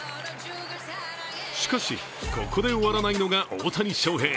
しかし、ここで終わらないのが大谷翔平。